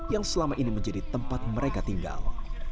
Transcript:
yang selama ini menjadi tempat mereka tinggal